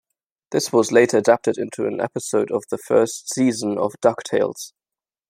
This was later adapted into an episode of the first season of "DuckTales".